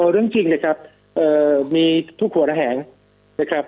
เรื่องจริงนะครับมีทุกหัวระแหงนะครับ